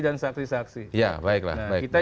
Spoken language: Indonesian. dan saksi saksi ya baiklah nah kita